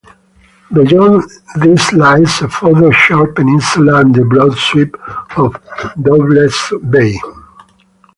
Beyond this lies a further short peninsula and the broad sweep of Doubtless Bay.